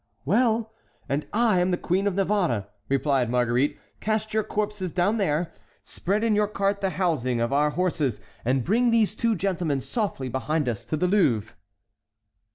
"Well! and I am the Queen of Navarre," replied Marguerite; "cast your corpses down there, spread in your cart the housings of our horses, and bring these two gentlemen softly behind us to the Louvre."